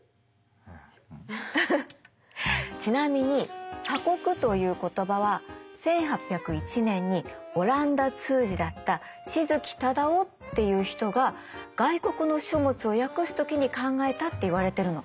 フフッちなみに「鎖国」という言葉は１８０１年にオランダ通事だった志筑忠雄っていう人が外国の書物を訳す時に考えたっていわれてるの。